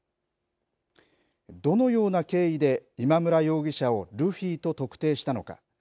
どのような経緯で、今村容疑者をルフィと特定したのか。